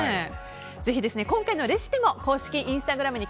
ぜひ、今回のレシピも公式インスタグラムに